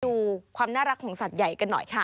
ดูความน่ารักของสัตว์ใหญ่กันหน่อยค่ะ